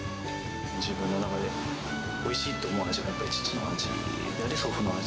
自分の中で、おいしいと思う味は、やっぱり父の味であり、祖父の味。